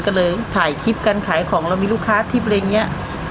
ก็เลยถ่ายคลิปการขายของแล้วมีลูกค้าทิพย์อะไรอย่างเงี้ย